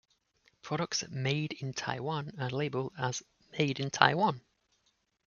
Products made in Taiwan are labeled as "Made in Taiwan".